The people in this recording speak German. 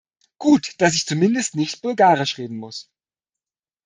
Gut, dass ich zumindest nicht Bulgarisch reden muss.